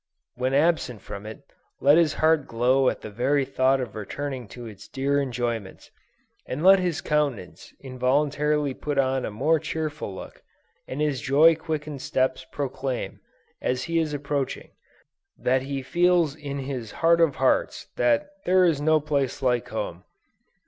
When absent from it, let his heart glow at the very thought of returning to its dear enjoyments; and let his countenance involuntarily put on a more cheerful look, and his joy quickened steps proclaim, as he is approaching, that he feels in his "heart of hearts," that "there is no place like home."